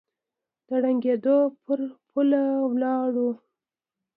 د ړنګېدو پر پوله ولاړ و